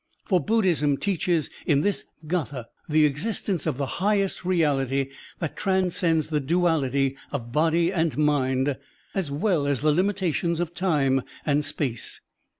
For Buddhism teaches in this gS thd the existence of the highest reality that tran scends the duality of body and mind as well as the limitations of time and space.